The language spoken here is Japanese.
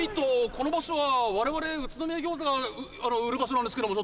この場所は我々宇都宮餃子が売る場所なんですけども。